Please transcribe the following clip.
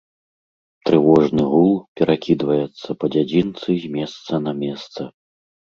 Трывожны гул перакідваецца па дзядзінцы з месца на месца.